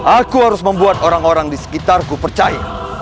aku harus membuat orang orang di sekitarku percaya